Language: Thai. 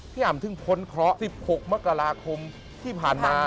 อ่ำถึงพ้นเคราะห์๑๖มกราคมที่ผ่านมา